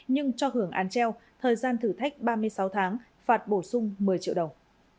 nhưng cho hưởng án treo thời gian thử thách ba mươi sáu tháng phạt bổ sung một mươi triệu đồng